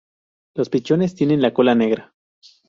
Los pichones tienen la cola negra.